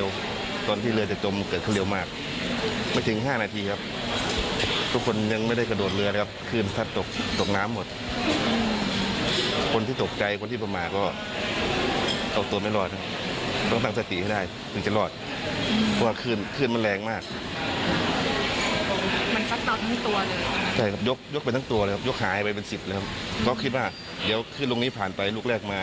ยกหายไปเป็นสิบเลยครับก็คิดว่าเดี๋ยวขึ้นลงนี้ผ่านไปลุกแรกมา